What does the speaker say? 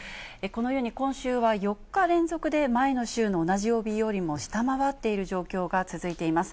このように今週は４日連続で前の週の同じ曜日よりも下回っている状況が続いています。